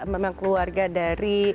memang keluarga dari